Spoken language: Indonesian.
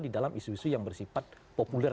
di dalam isu isu yang bersifat populer